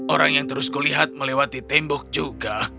orang yang terus kulihat melewati tembok juga